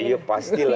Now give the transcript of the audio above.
ya pasti lah